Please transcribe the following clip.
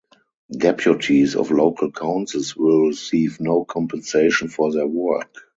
Deputies of local councils will receive no compensation for their work.